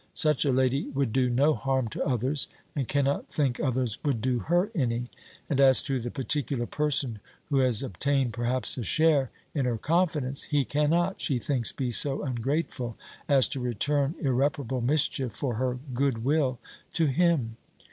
Such a lady would do no harm to others, and cannot think others would do her any. And as to the particular person who has obtained, perhaps, a share in her confidence, he cannot, she thinks, be so ungrateful, as to return irreparable mischief for her good will to him.